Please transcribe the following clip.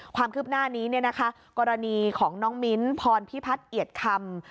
ความคืบหน้านี้กรณีของน้องมิ้นท์พรพิพัฒน์เอียดคำ